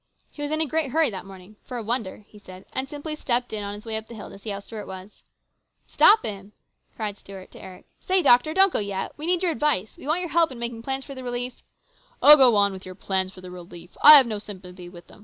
He was in a great hurry that morning, for a wonder, he said, and simply stepped in on his way up the hill to see how Stuart was. " Stop him !" cried Stuart to Eric. " Say, doctor, don't go yet. We need your advice. We want your help in making plans for the relief " Oh, go on with your plans for relief ! I have no sympathy with them